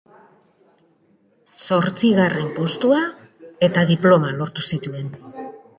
Zortzigarren postua eta diploma lortu zituen.